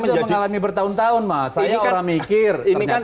kan kita sudah mengalami bertahun tahun mas saya orang mikir